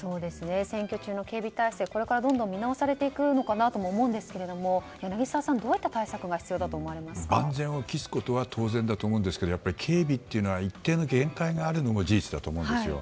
選挙中の警備態勢、これからどんどん見直されていくのかなと思うんですけれども柳澤さん、どういった対策が万全を期すことは当然だと思いますが警備というのは一定の限界があるのが事実だと思うんです。